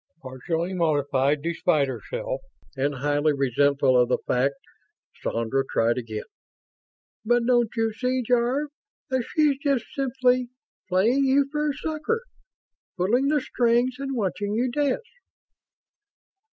Partially mollified despite herself, and highly resentful of the fact, Sandra tried again. "But don't you see, Jarve, that she's just simply playing you for a sucker? Pulling the strings and watching you dance?"